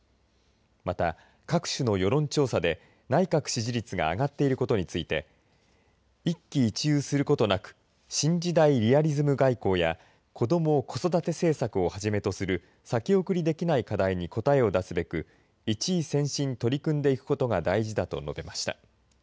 また、各種の世論調査で内閣支持率が上がっていることについて一喜一憂することなく新時代リアリズム外交や子ども・子育て政策をはじめとする先送りできない課題に答えを出すべく一意専心取り組んでいくことが大事だと述べました。